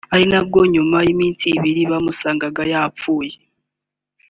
ari bwo nyuma y’iminsi ibiri bamusangaga yapfuye